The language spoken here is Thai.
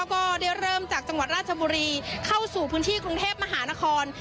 ก็ได้เริ่มจากจังหวัดราชบุรีเข้าสู่พื้นที่กรุงเทพมหานคร